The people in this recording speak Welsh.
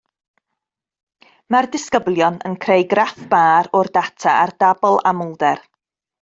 Mae'r disgyblion yn creu graff bar o'r data ar dabl amlder